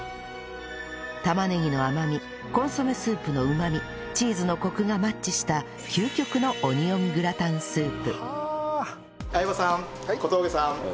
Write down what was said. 玉ねぎの甘みコンソメスープのうまみチーズのコクがマッチした究極のオニオングラタンスープ